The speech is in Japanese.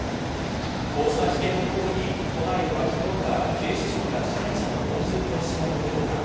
こうした危険な行為に都内では昨日から警視庁が自転車の交通取締りを強化。